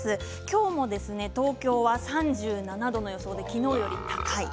今日は東京は３７度の予想で昨日より高い。